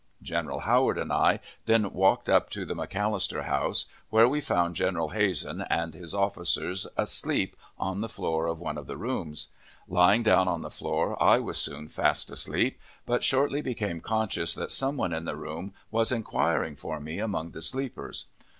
General Howard and I then walked up to the McAllister House, where we found General Hazen and his officers asleep on the floor of one of the rooms. Lying down on the floor, I was soon fast asleep, but shortly became conscious that some one in the room was inquiring for me among the sleepers.